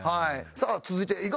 さあ続いて。